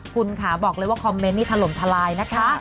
คุณค่ะบอกเลยว่าคอมเมนต์นี้ถล่มทลายนะคะ